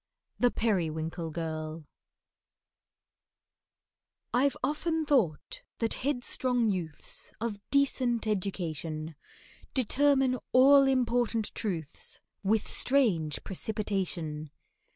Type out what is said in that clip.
THE PERIWINKLE GIRL I'VE often thought that headstrong youths Of decent education, Determine all important truths, With strange precipitation.